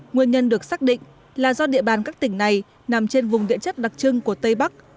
nguyên nhân được xác định là do địa bàn các tỉnh này nằm trên vùng điện chất đặc trưng của tây bắc